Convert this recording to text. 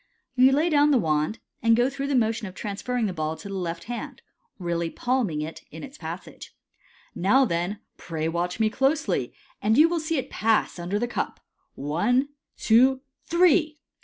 You lay down the wand, and go through the motion of transferring the ball to the left hand, really palming it in its passage. " Now, then, pray watch me closely, and you will see it pass under the cup. One, two, three!"